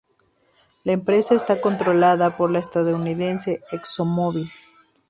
La empresa está controlada por la estadounidense ExxonMobil.